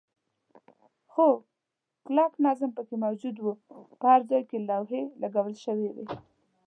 خو کلک نظم پکې موجود و، په هر ځای کې لوحې لګول شوې وې.